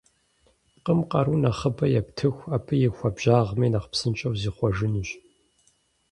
Пкъым къару нэхъыбэ ептыху, абы и хуабжьагъми нэхъ псынщӏэу зихъуэжынущ.